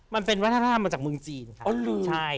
มันเป็นวัฒนธรรมมาจากเมืองจีนครับ